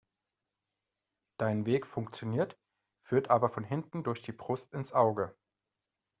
Dein Weg funktioniert, führt aber von hinten durch die Brust ins Auge.